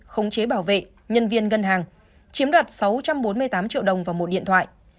khống chế bảo vệ nhân viên ngân hàng chiếm đoạt sáu trăm bốn mươi tám triệu đồng vào một điện thoại